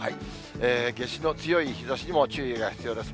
夏至の強い日ざしにも注意が必要です。